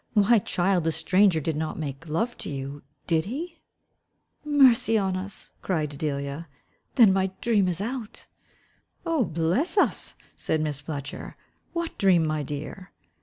Why, child, the stranger did not make love to you, did he?" "Mercy on us," cried Delia, "then my dream is out." "Oh, bless us," said Miss Fletcher, "what dream, my dear?"